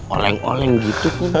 oleng oleng gitu tukum